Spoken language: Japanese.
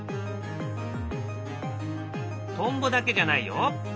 トンボだけじゃないよ。